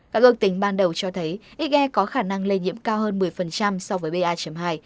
các ước tính ban đầu cho thấy israel có khả năng lây nhiễm cao hơn một mươi so với ba hai